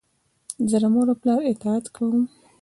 زه د مور و پلار اطاعت کوم.